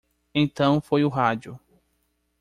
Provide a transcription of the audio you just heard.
Então foi o rádio.